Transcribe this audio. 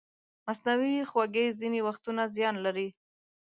مصنوعي خوږې ځینې وختونه زیان لري.